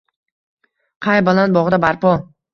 Qay baland bog‘da barpo?